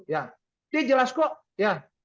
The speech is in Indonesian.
ya dia jelas kok ya